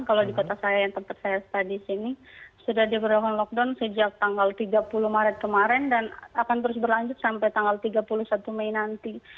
kalau di kota saya yang tempat saya study sini sudah diberlakukan lockdown sejak tanggal tiga puluh maret kemarin dan akan terus berlanjut sampai tanggal tiga puluh satu mei nanti